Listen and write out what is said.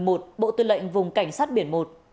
hải đoàn một mươi một bộ tư lệnh vùng cảnh sát biển một